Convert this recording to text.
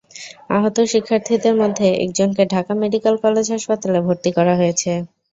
আহত শিক্ষার্থীদের মধ্যে একজনকে ঢাকা মেডিকেল কলেজ হাসপাতালে ভর্তি করা হয়েছে।